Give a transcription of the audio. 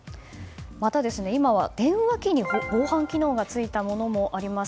また、今は電話機に防犯機能が付いたものもあります。